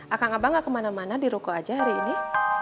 akang abah enggak kemana mana dirokok aja hari ini